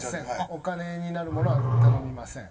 お金になるものは頼みません。